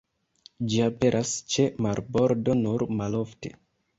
Ĝi aperas ĉe marbordo nur malofte.